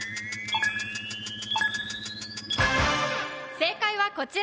正解はこちら。